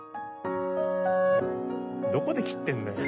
どこで切ってんだよ？